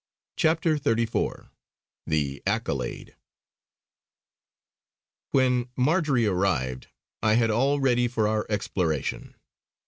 CHAPTER XXXIV THE ACCOLADE When Marjory arrived, I had all ready for our exploration.